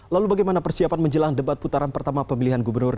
lalu bagaimana persiapan menjelang debat putaran pertama pemilihan gubernur